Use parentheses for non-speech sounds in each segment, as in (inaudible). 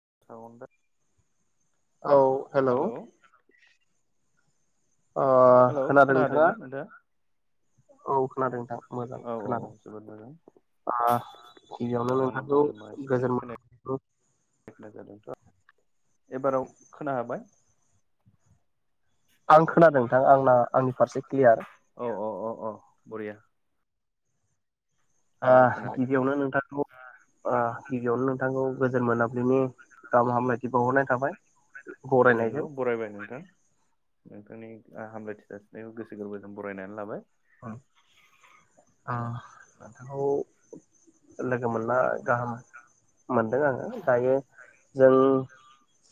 (unintelligible) औ hello. Hello hello खोनादों ना नोंथां। औ खोनादों नोंथां। मोजां औ औ औ खोनादों जोबोद ओ गिबियावनो मोजां आंना नोंथांखौ बलिमा एसे गोजोन खोन खोन जादोंथ'। एबाराव खोना हाबाय। आं खोनादों नोंथां आंना आंनि फारसे क्लियार। औ औ औ औ बरिया आ आंबो खोनाबाय गिबियावनो नोंथांखौ आ। गिबियावनो नोंथांखौ गोजोन मोनाबिलिनि गाहाम हामलायथि बावहरनाय थाबाय नंगौ बरायनायजों बरायबाय नोंथां। नोंथांनि हामलायथि जासिनायखौ गोसो गोरबोजों बरायनानै लाबाय। (unintelligible) लोगो मोनना गाहाम मोनदों आङो दायो जों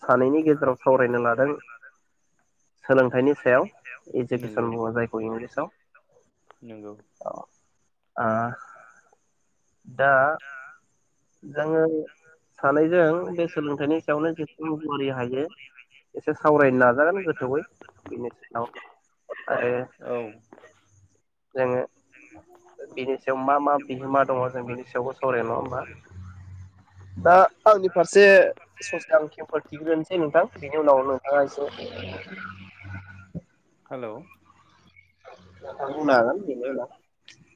सानैनि गेजेराव सावरायनो लादों सोलोंथाइनि सायाव नोंगौ इडुकेसन बुङो जायखौ इंलिसाव। नोंगौ। आ दा। जोङो। सानैजों बे सोलोंथाइनि सायावनो जेसेबां गुरै हायो एसे सावरायनो नाजागोन गोथौयै बेनि सायाव आरो औ जोङो। बिनि सायाव मा मा बिहोमा दङ जों बिनि सायावबो सावरायगोन नङा होमबा‌? दा आंनि फारसे ससे आं खेमफोरथिग्रोनोसै नोंथां बेनि उनाव नोंथाङा एसे हेलौ बुंनो हागोन बेनि उनाव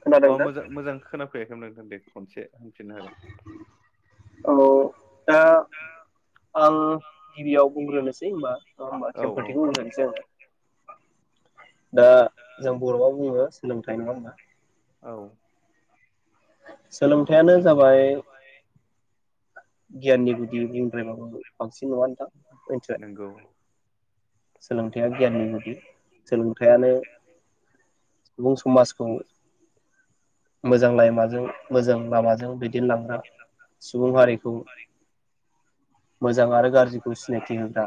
खोनादों नोंथां। फैयाखैयमोन नोंथां दे खनसे। होनफिननो हागोन औ दा आं गिबियाव बुंग्रोनोसै होनबा औ औ खेम्फोरथि बुंग्रोनोसै आं। दा जों बर'आव बुङो सोलोंथाइ नङा होनोमबा? औ। (unintelligible) सोंलोथायानो जाबाय। गियाननि गुदि बुंद्रायबाबो बांसिन नङा नोंथां मिथिबाय? नोंगौ सोलोंथाइ गियाननि गुदि सोलोंथायानो सुबुं समाजखौ मोजां लामाजों मोजां लामाजों दैदेनलांग्रा सुबुं हारिखौ (unintelligible) मोजां आरो गाज्रिखौ सिनायथि होग्रा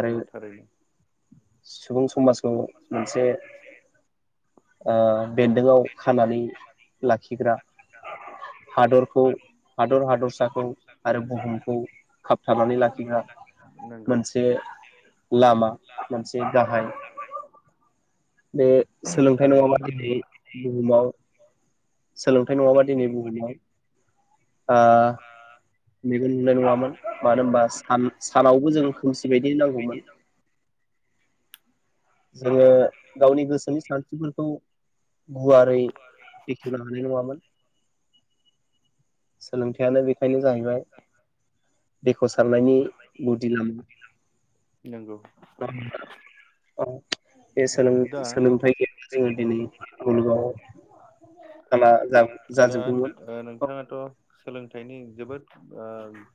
आरो थारैनो सुबुं समाजखौ मोनसे। (unintelligible) ओं। बेन्दोंआव खानानै लाखिग्रा हादरखौ हादर हादरसाखौ आरो बुहुमखौ खाबथानानै लाखिग्रा नोंगौ मोनसे लामा मोनसे गाहाय बे सोलोंथाइ थारैनो नङाबा (unintelligible) दिनै बुहुमाव सोलोंथाइ नङाबा दिनै बुहुमाव। आ मेगन नुनाय नङामोन मानो होमबा सान-सानावबो जों खोमसि बायदि नांगौमोन। जोङो गावनि गोसोनि सानस्रिफोरखौ गुवारै बेखेवनो हानाय नङामोन। सोलों थायानो बेखायनो जाहैबाय बेखौ साननायनि गुदि लामा नोंगौ (unintelligible) औ बे दा सोलों-सोलोंथाइ गैयाब्ला जोङो दिनै गुलुगाव खाना जा दा जाजोबगौमोन। ओ नोंथाङाथ' सोलोंथाइनि जोबोद ओ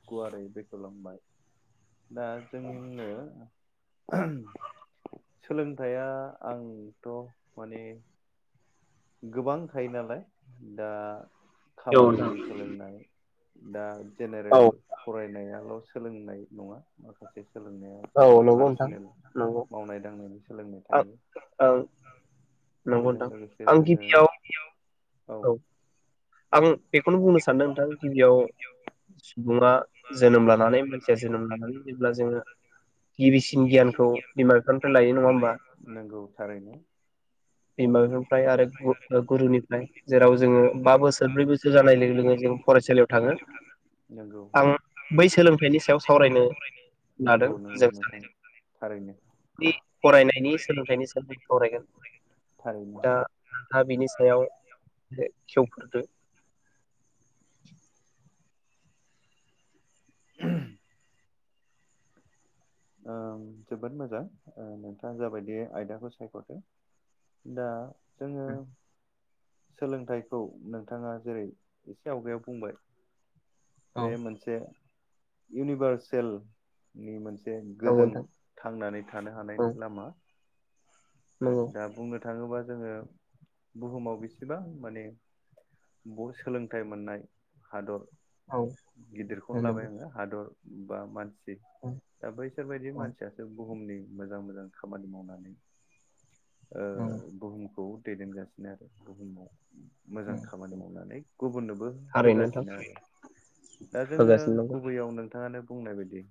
गुवारै बेखेवलांबाय दा जोंनिनो सोलोंथाया आंथ' माने गोबां थायो नालाय दा औ खामानिनि नोंथां सोलोंनाय दा औ जेनेरेल फरायनायाल' स सोलोंनाय नङा माखासे सोलोंनाया औ जोंनि नंगौ नोंथां पार्सनेल नंगौ। मावनाय दांनायनि सोलोंनाय आं थायो। ओं नंगौ बेजों नोंथां लोगोसे आं जोङो गिबियाव औ आं बेखौनो बुंनो सानदों नोंथां। गिबियाव सुबुङा जोनोम लानानै मानसिया जोनोम लानानै जेब्ला जोङो गिबिसि गियानखौ बिमा बिफानिफ्राय लायो नङा होमबा? नंगौ थारैनो बिमा बिफानिफ्राय आरो गु ओ गुरुनिफ्राय जेराव जोङो बा बोसोर ब्रै बोसोर जानाय लोगो लोगो जों फरायसालियाव थाङो। नंगौ आं बै सोलोंथाइनि सायाव सावरायनो लादों नंगौ नंगौ जों सानै नोंथां नि थारैनो बे फरायनायनि सोलोंथाइनि सायाव सावरायगोन थारैनो। दा बिनि सायाव खेब खेवफोरदो। ओम ओ जोबोद मोजां ओ नोंथाङा जाबायदि आयदाखौ सायख'दो दा जोङो सोलोंथाइखौ नोंथाङा जेरै एसे आवगायाव बुंबाय औ बे मोनसे इउनिभार्सेलनि मोन से नंगौ गोजों नोंथां थांनानै थानो औ हानायनि लामा नंगौ दा बुंनो थाङोबा जोङो बुहुमाव बेसेबां माने ब सोलोंथाइ मोननाय हादर औ गिदिरखौनो नंगौ लाबाय आङो हादर बा मान सि औ दा बैसोर बायदि औ मानसियासो बु हुमनि मोजां मोजां खामानि मावनानै ओ नंगौ बुहुमखौ दैदेनगासिनो आरो बुहुमाव मोजां खामानि मावनानै गुबुननोबो थारैनो नोंथां होगासिनो आरो दा जोङो होगासिनो नंगौ गुबैयाव नोंथाङानो बुंनाय बायदि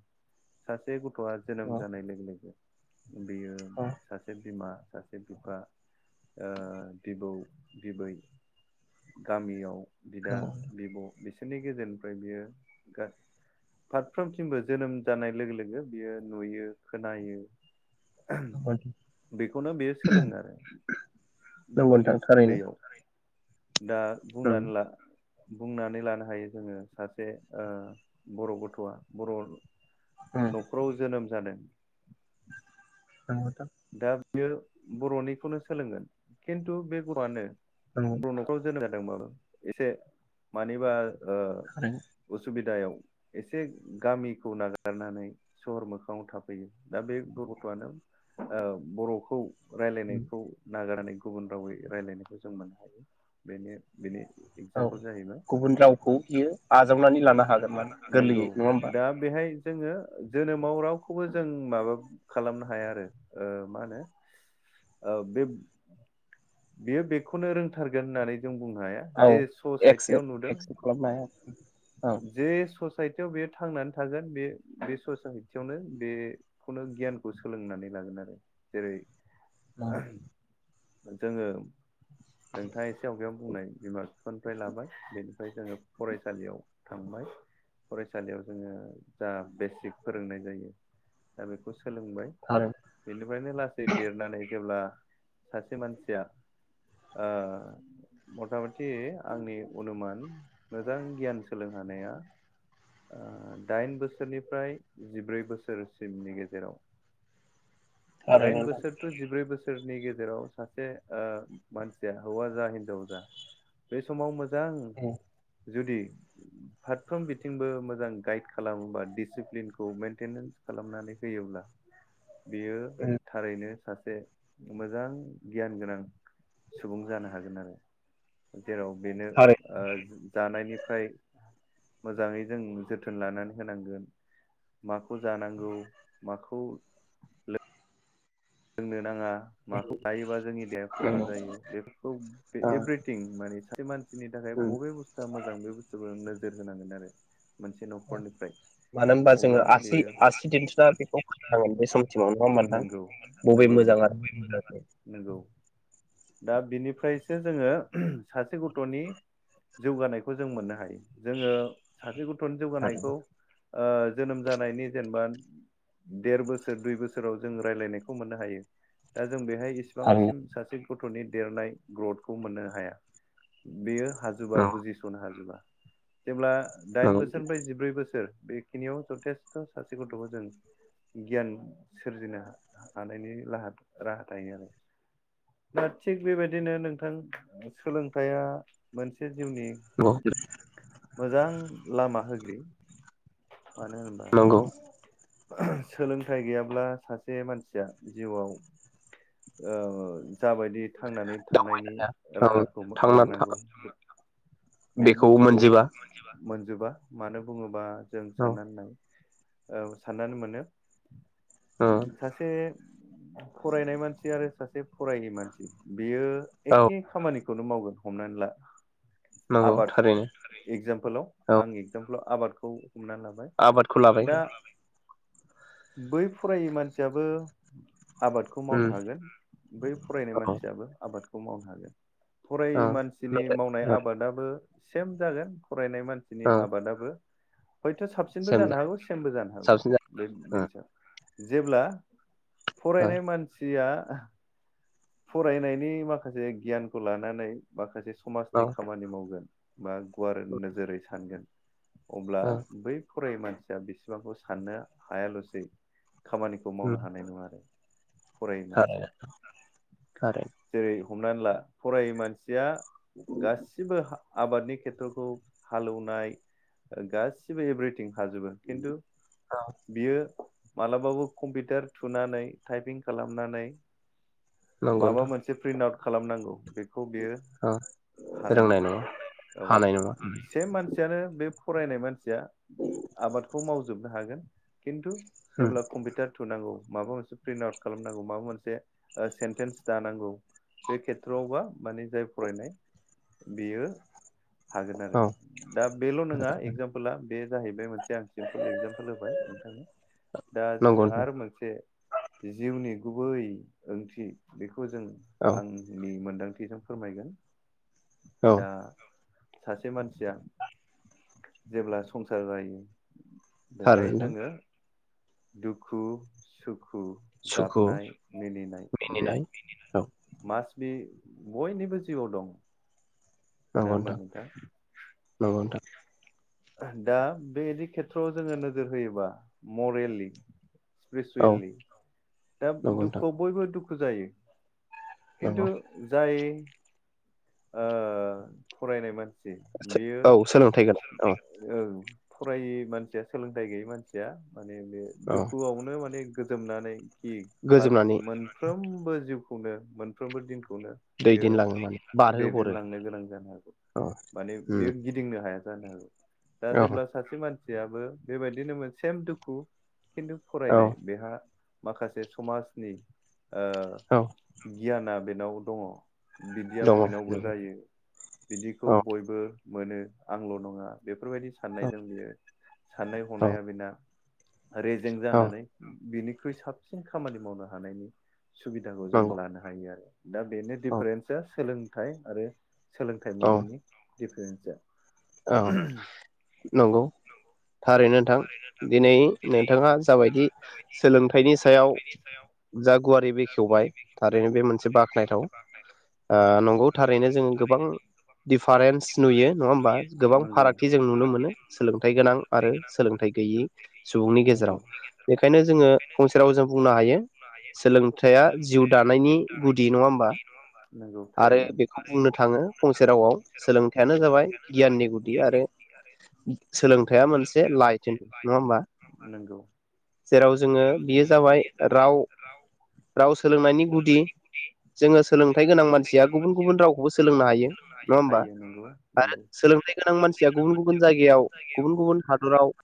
सासे ग थ'आ जोनोम औ जानाय लोगो लोगो बेयो औ सासे बिमा सासे बिफा ओ बिबौ बिबै गामियाव बिदा नंगौ बिब' बिसो सोरनि गेजेरनिफ्राय बियो गा फारफ्रोमसिमबो जोनोम जानाय लोगो लोगो बियो नुयो खोनायो (unintelligible) बेखौनो बेयो सोलोङो आरो नोंथां थारैनो उन्दै-उन्दैयाव दा उम बुंनानै उम ला बुंनानै लानो हायो जोङो सासे ओ बर' गथ'आ बर' नंगौ न'खराव जोनोम जादों नंगौ नोंथां दा बियो बर'निखौनो सोलोंगोन खिन्थु बे गथ'आनो नंगौ बर' नखराव जोनोम जा दोंबाबो एसे मानिबा ओ थारैनो उसुबिदायाव एसे गामिखौ नागारनानै सहर मोखाङाव थाफैयो दा बे गथ'आनो ओ बर'खौ उम रायलायनायखौ नागारनानै गुबुन रावै रायलायनायखौ जों मोननो हायो बेनि बेनि औ एगजामपोल जाहैबाय गुबुन रावखौ बियो आजावनानै लानो हागोन मान नंगौ गोरलैयै नङा होमबा। दा बेहाय जोङो जोनोमाव रावखौबो जों माबा खालामनो हाया आरो। ओ मा होनो ओ बे बियो बेखौनो रोंथारगोन होननानै जों बुंनो हाया जे औ ससाइटियाव नुदों एक्सेप्ट एक्सेप्ट खालामनो हाया औ जे सस ससाइटियाव बेयो थांनानै थागोन बे बे ससाइटियावनो बे खुनु गियानखौ सोलोंनानै लागोन आरो जेरै (inaudible) औ जोङो नोंथाङा एसे आवगायाव बुंनाय बिमा बिफानिफ्राय लाबाय बेनिफ्राय जोङो फरायसालियाव थांबाय फरायसालियाव जोङो जा बेसिक फोरोंनाय जायो दा बेखौ सोलोंबाय थारैनो बेनिफ्रायनो लासै देरनानै जेब्ला सास से मानसिया ओ मथा मथि आंनि अनुमान मोजां गियान सोलोंहानाया दाइन बोसोरनिफ्राय जिब्रै बोसोरसिमनि गेजेराव दाइन थारैनो नोंथां बोसोरथ जिब्रै बोस सोरनि गेजेराव सासे ओ मानसिया हौवा जा हिनजाव जा बे समाव मो जां उम जुदि फारफ्रोम बिथिंबो मोजां गाइड खालामोबा डिसिप्लिनखौ मेेनटेनेन खालामनानै होयोब्ला बेयो उम थारैनो सासे मोजां गियान गोनां सुबुं जानो हागोन आरो जेराव बेनो थारै ओ जानायनिफ्राय मोजाङै जों जोथोन लानानै होनांगोन माखौ जानांगौ माखौ लो लोंनो नाङा। माखौ लायोबा जोंनि देहाया खहा नंगौ जायो बेफोरखौ बे ओ एभ्रिथिं माने सासे मानसिनि थाखाय उम बबे बुस्थुवा मोजां बे बुस्थुखौनो नोजोर होनांगोन आरो। मोनसे न'खरनिफ्राय मानो होनबा अब्ला जोङो आसि बेयो आसि दिन्थिना बेखौ नंगौ (inaudible) बबे नंगौ मोजां नोंथां आरो नंगौ दा बिनिफ्रायसो जोङो सासे गथनि जौगानायखौ जों मोननो हायो जोङो सासे ग थनि थारैनो जौगानायखौ ओ जोनोम जानायनि जेनेबा देर बोसोर दुइ बोसोराव जों रायलायनायख मोननो हायो दा जों बेहाय थारैनो इसिबांसिम सासे गथनि देरनाय ग्रथखौ मोननो हाया बेयो हाजोबा बुजिसनो हाजोबा। जेब्ला। नंगौ दाइन बोसोरनिफ्राय जिब्रै बोसोर। बेखिनियाव जथेस्थ' सासे गथ'खौ जों गियान सोरजिनो हा हानायनि लाहा राहा थायो आरो दा थिग बेबायदिनो नोंथां सोलोंथाइया मोनसे जिउनि नंगौ मोजां लामा होग बि मानो होनबा नंगौ सोलोंथाइ गैयाब्ला सासे मानसिया जिउआव ओ जाबायदि थांनानै थानायनि दावबायनाया औ राहाखौ थांना था लानांगौ। बे बेखौ बुस्थुखौ मोनजोबा मोन जोबा मानो बुङोबा जों औ साननानैनाय औ साननानै मोनो। ओ सासे फरायनाय मानसि आरो सास सासे फरायि मानसि बेयो औ एखे खामानिख बेखौनो मावगोन हमनानै ला नंगौ आबाद थारैनो एगजामपोलाव औ आं एगजामपोलाव आबाद खौ हमना लाबाय आबादखौ लाबाय दा बै फरायै मानसियाबो आबादखौ उम मावनो हागोन बै फरायनाय औ मानसियाबो आबाद खौ मावनो हागोन। फरायि औ मानसिनि मावनाय नाथाय औ आब बो सेम जागोन। फरायनाय मानसिनि औ आबादाबो हयथ' साबसिनबो सेम जानो जा हागौ सेमबो जानो हागौ साबसिन जा बे ओ जिनिसा जेब्ला फरायनाय मानसिया (unintelligible) फरायनायनि माखासे गियानखौ लानानै माखासे स ओ औ समाजनि खामानि मावगोन। बा गुवार नोजोरै सानगोन। अब्ला औ बै फरायै मानसिया बेसेबांखौ साननो हायाल'सै खामानिखौ उम मावनो हानाय नङा आरो फरायै मानसिया ओरै जेरै हमनानै ला फरायै मानसिया गासिबो आबादनि खेथ्र'खौ हालेवनाय गासिबो एभ्रिथिं थिं हाजोबो खिन्थु औ बियो मालाबाबो कम्पिउटार थुनानै टाइपिं खालामनानै नंगौ माबा नोंथां मोनसे प्रिन्ट आउट खालामनांगौ बे खौ बेयो औ हानाय नङा औ हानाय नङा उम से मानसियानो बे फरायनाय मानसिया आबादखौ मावजोबनो हागोन खिन्थु जेब्ला कम्पिउटार थुनांगौ माबा मोनसे प्रिन्ट आउट खालामनांगौ माबा मोनसे सेन्टेन्स दानांगौ बे खेथ्रआवबा मानि जाय फरायनाय बेयो हागोन आरो औ दा बेल' नङा एक्जामपला बे जाहैबाय मोनसे सिम्पोल एक्जामपोल होबाय नोंथांनो दा नंगौ जोङो नोंथां आरो मोनसे जिउनि गुबै ओंथि बेखौ ओंथिखौ जों औ आंनि मोन्दांथि जों फोरमायगोन औ दा सासे मानसिया जेब्ला संसार जायो। थारैनो बेहाय नोंथां जोङो दुखु सुखु दुखु सुखु गाबनाय सैनाय बे मिनिनाय औ मा कास्बि बयनिबो जिउआव दं नङा नंगौ होमबा नोंथां नंगौ नोंथां दा बेबायदि खेथ्रआव जोङो नोजोर होयोबा मरेलि गोसो औ लि दा नंगौ नोंथां दुखुआव बयबो दुख फु जायो। नंगौ खिन्थु जाय ओ फरायनाय मोन बे-बेयो औ सोलोंथाइ गोनां औ ओं। फरायै मानसिया सोलोंथाइ गैयै मानसिया माने बे औ दुखुआवनो माने गोजोमनानै खि गोजोमनानै फारग मोनफ्रोमबो जिउ नो मोनफ्रोमबो थिं दैदेनलाङो माने। बारहोहरो दैदेनलांनो गोनां जानो हागौ औ माने उम बेयो गिदिंनो हाया। जानो हागौ दा औ जेब्ला सासे मानसि याबो बेबायदिनोमोन सेम दुखु खिन्थु औ फरायनाय बेहा माखासे समाजनि ओ औ गियाना बेनाव दङ दङ बयनावबो नंगौ जायो बिदिखौ औ बयबो मोनो आंल' नङा बेफोरबायदि साननायजों बियो साननाय औ हनाया बेना रेजें औ जानानै बिनि ख्रुइ साबसिन खामानि मावनो हानायनि सुबिदाखौ जों नंगौ लानो हायो आरो। दा बेनो औ दिफारेन्सआ सोलों नाथाय आरो सोलोंथाइ औ मोनैनि दिफारेन्सआ। औ नंगौ थारैन नोंथां दिनै नोंथाङा जाबायदि सोलोंथाइनि सायाव जा गुवारै बेखेवबाय थारैनो बे मोनसे बाख्नायथाव आ नंगौ थारैनो जों गोबां दिफारेन्स नुयो नङा होम्बा? गोबां फारागथि जों नुनो मोनो सोलोंथाइ गोनां आरो सोलों गैयै सुबुंनि मोनो गेजेराव बेखायनो जोङो फंसे रावजों बुंनो हायो सोलोंथाइया जिउ दानायनि गुदि नङा होमबा नंगौ आरो थारैनो बेखौ बुंनो थाङो फंसे रावयाव सोलोंथाइयानो जाबाय गियाननि गुदि आरो सोलोंथाइया मोनसे लाइट नङा होमबा नंगौ जेराव जोङो बेयो जाबाय राव राव सोलोंनायनि गुदि जोङो सोलोंथाइ गोनां मानसिया गुबुन गुबुन रावखौबो सोलोंनो हायो नङा होमबा हायो नंगौ नंगौ आरो सोलोंथाइ गोनां मानसिया गुबुन गुबुन जायगायाव गुबुन गुबुन हादराव